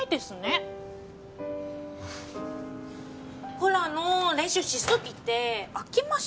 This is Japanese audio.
フラの練習しすぎて飽きました。